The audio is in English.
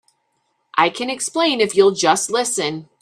I can explain if you'll just listen.